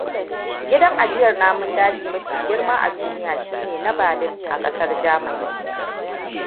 Gidan ajiyar namun daji mafi girma a duniya shine na Berlin, a ƙasar Germany.